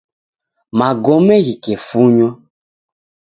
Magome ghikefunywa